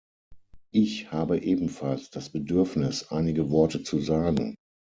Ich habe ebenfalls das Bedürfnis, einige Worte zu sagen.